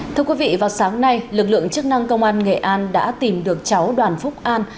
thưa quý vị vào sáng nay lực lượng chức năng công an nghệ an đã tìm được cháu đoàn phúc an